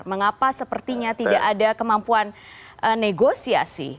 mengapa sepertinya tidak ada kemampuan negosiasi